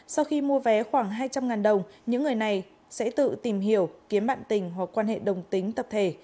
sau khi mua vé khoảng hai trăm linh đồng những người này sẽ tự tìm hiểu kiếm bạn tình hoặc quan hệ đồng tính tập thể